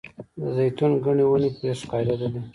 د زیتونو ګڼې ونې پرې ښکارېدلې.